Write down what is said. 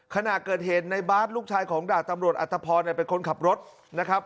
ขณะเกิดเหตุในบาสลูกชายของดาบตำรวจอัตภพรเป็นคนขับรถนะครับ